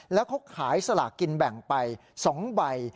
แล้วเขาขายสลากกินแบ่งไป๒ใบ